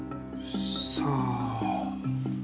さあ？